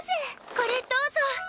これどうぞ。